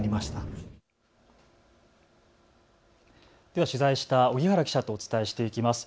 では取材をした荻原記者とお伝えしていきます。